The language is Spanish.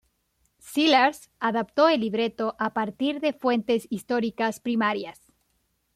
Sellars adaptó el libreto a partir de fuentes históricas primarias.